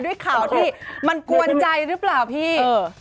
ด้วยข่าวที่มันกวนใจหรือเปล่าพี่